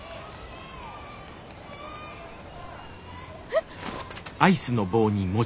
えっ。